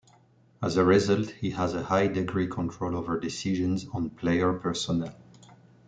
As a result, he has a high degree control over decisions on player personnel.